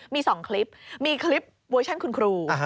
มี๒คลิปมีคลิปเวอร์ชั่นคุณครู